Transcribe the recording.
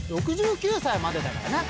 ６９歳までだからな。